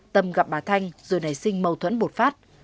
tâm gặp bà thanh rồi nảy sinh mâu thuẫn bột phát